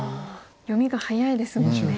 読みが早いですもんね。